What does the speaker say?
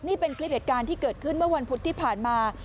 นี่เป็นคลิปเหตุการณ์ที่เกิดขึ้นเมื่อวันพุธที่ผ่านมา